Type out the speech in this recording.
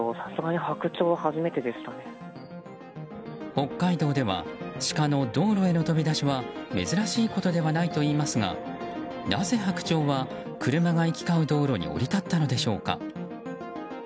北海道ではシカの道路への飛び出しは珍しいことではないといいますがなぜハクチョウが車が行き交う道路に降り立ったのでしょうか。